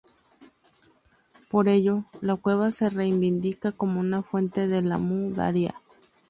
Por ello, la cueva se reivindica como una fuente del Amu Daria.